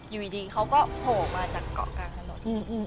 อยู่ดีเขาก็โผล่มาจากเกาะกลางถนน